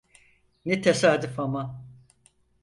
Ne tesadüf ama.